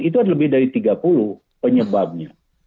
itu ada lebih dari tiga puluh penyebabnya